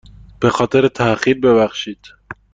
به خاطر تاخیر ببخشید.